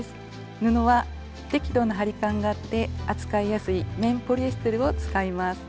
布は適度な張り感があって扱いやすい綿ポリエステルを使います。